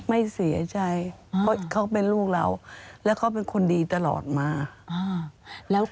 ไม่เสียใจเพราะเขาเป็นลูกเราแล้วเขาเป็นคนดีตลอดมาแล้ว